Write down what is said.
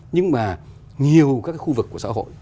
nhưng mà nhiều các khu vực của xã hội